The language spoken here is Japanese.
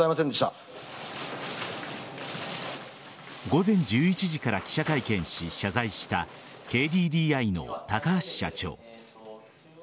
午前１１時から記者会見し謝罪したＫＤＤＩの高橋社長。